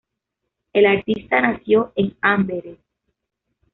El artista nació en Amberes.